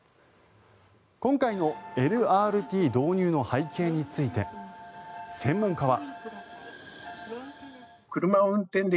今回のＬＲＴ導入の背景について専門家は。